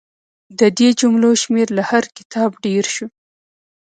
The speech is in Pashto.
د دې جملو شمېر له هر کتاب ډېر شو.